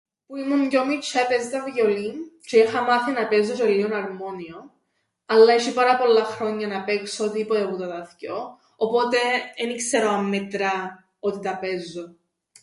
Που ήμουν πιο μιτσ̆ιά έπαιζα βιολίν τζ̆αι είχα μάθει να παίζω τζ̆αι λλίον αρμόνιον, αλλά έσ̆ει πάρα πολλά χρόνια να παίξω οτιδήποτε που τα θκυο, άρα εν ι-ξέρω αν μετρά ότι τα παίζω.